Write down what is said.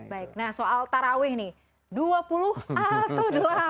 nah soal taraweh nih